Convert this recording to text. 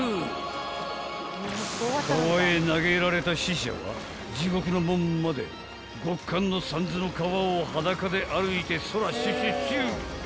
［川へ投げられた死者は地獄の門まで極寒の三途の川を裸で歩いてそらシュシュシュ！］